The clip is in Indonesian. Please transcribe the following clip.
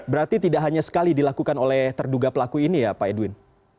berarti tidak hanya sekali dilakukan oleh terduga pelaku ini ya pak edwin